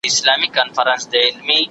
هغه کسان چي په حرفو بوخت وو شتمن سول.